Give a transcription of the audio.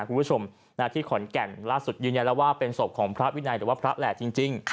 คุณผู้ชมที่ขอนแก่นล่าสุดยืนยันแล้วว่าเป็นศพของพระวินัยหรือว่าพระแหละจริง